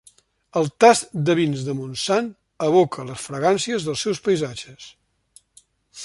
El tast dels vins de Montsant evoca les fragàncies dels seus paisatges.